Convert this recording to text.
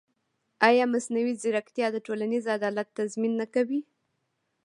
ایا مصنوعي ځیرکتیا د ټولنیز عدالت تضمین نه کوي؟